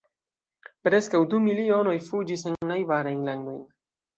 Preskaŭ du milionoj fuĝis en najbarajn landojn.